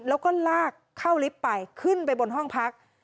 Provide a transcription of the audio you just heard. แล้วก็ลากเข้าลิฟต์ไปขึ้นไปบนห้องพัก